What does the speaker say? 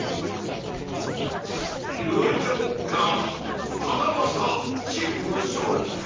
友情かはたまたチームの勝利か。